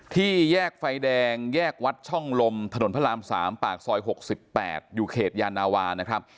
แยกไฟแดงแยกวัดช่องลมถนนพระราม๓ปากซอย๖๘อยู่เขตยานาวานะครับ